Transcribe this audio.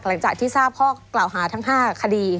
หลังจากที่ที่ทราบห้องกล่าวหาทั้งห้าคดี